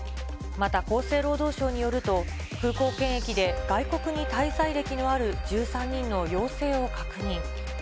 また、厚生労働省によると、空港検疫で外国に滞在歴のある１３人の陽性を確認。